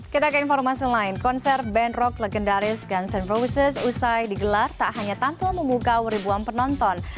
kita ke informasi lain konser band rock legendaris guns ⁇ roses usai digelar tak hanya tampil memukau ribuan penonton